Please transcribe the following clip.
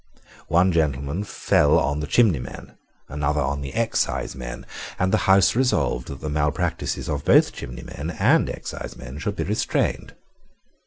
One gentleman fell on the chimneymen, another on the excisemen; and the House resolved that the malpractices of both chimneymen and excisemen should be restrained.